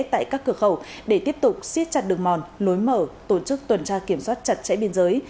tại các cửa khẩu để tiếp tục xiết chặt đường mòn lối mở tổ chức tuần tra kiểm soát chặt chẽ biên giới